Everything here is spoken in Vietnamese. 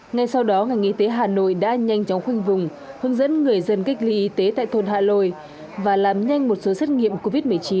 ngay sau đó ngành y tế hà nội đã nhanh chóng khuyên vùng hướng dẫn người dân kích ly y tế tại thôn hà lội và làm nhanh một số xét nghiệm covid một mươi chín